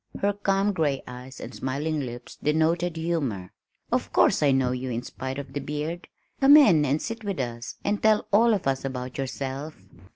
her calm gray eyes and smiling lips denoted humor. "Of course I know you in spite of the beard. Come in and sit with us and tell all of us about yourself."